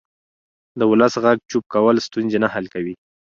د ولس غږ چوپ کول ستونزې نه حل کوي